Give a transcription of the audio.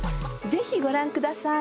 ぜひご覧ください。